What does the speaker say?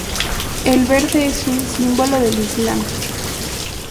El verde es un símbolo del Islam.